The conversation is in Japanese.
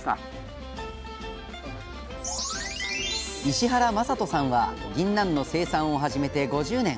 石原正人さんはぎんなんの生産を始めて５０年。